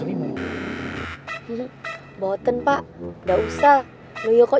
iya kok cuma nemenin bapak dikawin sama dia ya pak